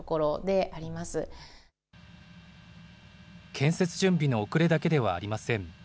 建設準備の遅れだけではありません。